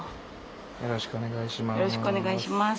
よろしくお願いします。